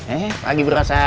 eh pagi berasa